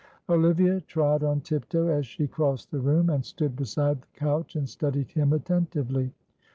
Olivia trod on tiptoe as she crossed the room and stood beside the couch, and studied him attentively.